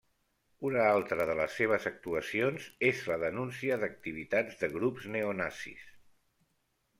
Una altra de les seves actuacions és la denúncia d'activitats de grups neonazis.